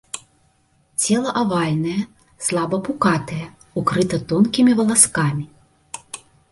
Цела авальнае, слаба пукатае, укрыта тонкімі валаскамі.